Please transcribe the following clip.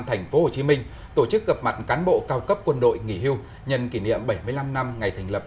thành phố hồ chí minh tổ chức gặp mặt cán bộ cao cấp quân đội nghỉ hưu nhận kỷ niệm bảy mươi năm năm ngày thành lập